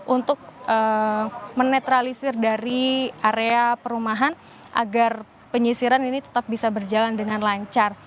untuk menetralisir dari area perumahan agar penyisiran ini tetap bisa berjalan dengan lancar